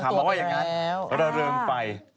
เขามองว่าอย่างงั้นระเรืองไฟ